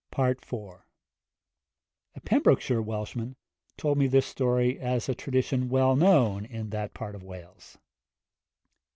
IV. A Pembrokeshire Welshman told me this story as a tradition well known in that part of Wales.